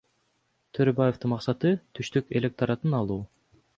Төрөбаевдин максаты түштүк электоратын алуу.